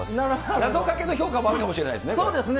謎かけの評価もあるかもしれないですね。